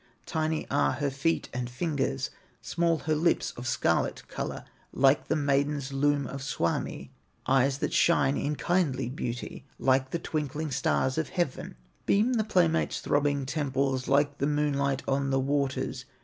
Tiny are her feet and fingers, Small her lips of scarlet color, Like the maiden's loom of Suomi; Eyes that shine in kindly beauty Like the twinkling stars of heaven; Beam the playmate's throbbing temples Like the moonlight on the waters.